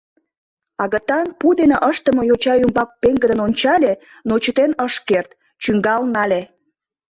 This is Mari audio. Агытан пу дене ыштыме йоча ӱмбак пеҥгыдын ончале, но чытен ыш керт, чӱҥгал нале.